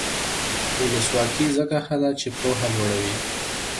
ولسواکي ځکه ښه ده چې پوهه لوړوي.